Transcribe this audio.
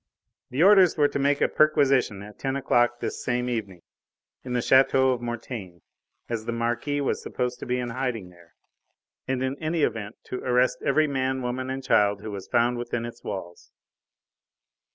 The orders were to make a perquisition at ten o'clock this same evening in the chateau of Mortaine as the Marquis was supposed to be in hiding there, and in any event to arrest every man, woman, and child who was found within its walls.